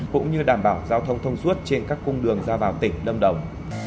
cũng như đảm bảo giao thông thông suốt trên các cung đường ra vào tỉnh lâm đồng